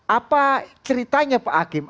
apa ceritanya pak akim